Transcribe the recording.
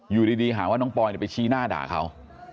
อยู่ดีหาว่าน้องปอยไปชี้หน้าด่าเขา